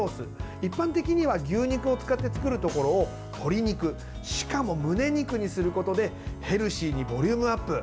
一般的には牛肉を使って作るところを鶏肉、しかもむね肉にすることでヘルシーにボリュームアップ。